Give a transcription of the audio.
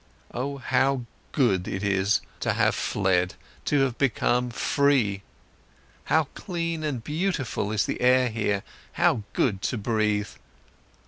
Oh how good is it to have fled, to have become free! How clean and beautiful is the air here, how good to breathe!